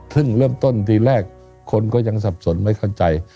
ซึ่งเริ่มต้นทีแรกคนก็ยังสับสนไม่เข้าใจ